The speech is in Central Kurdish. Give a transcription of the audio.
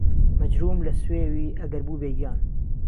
مەجرووم له سوێ وی ئەگهر بوو بێ گیان